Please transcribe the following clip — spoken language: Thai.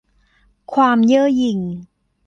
ความเย่อหยิ่ง